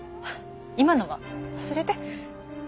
今のは忘れて。